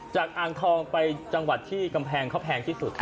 อ่างทองไปจังหวัดที่กำแพงเขาแพงที่สุด